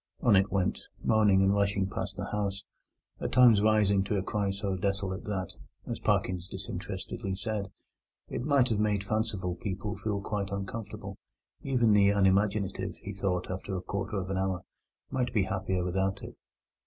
On it went, moaning and rushing past the house, at times rising to a cry so desolate that, as Parkins disinterestedly said, it might have made fanciful people feel quite uncomfortable; even the unimaginative, he thought after a quarter of an hour, might be happier without it.